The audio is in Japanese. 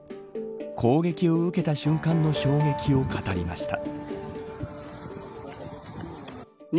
攻撃を受けた瞬間の衝撃を語りました。